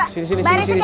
baris kita tadi ya